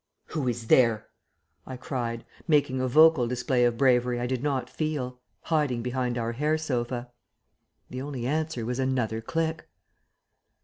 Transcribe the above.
"Who is there?" I cried, making a vocal display of bravery I did not feel, hiding behind our hair sofa. The only answer was another click.